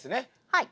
はい。